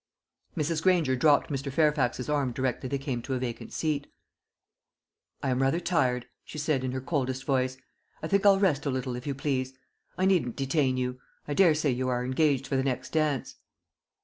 Mrs. Granger dropped Mr. Fairfax's arm directly they came to a vacant seat. "I am rather tired," she said, in her coldest voice. "I think I'll rest a little, if you please. I needn't detain you. I daresay you are engaged for the next dance."